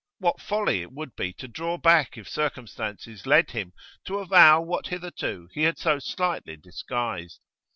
What folly it would be to draw back if circumstances led him to avow what hitherto he had so slightly disguised!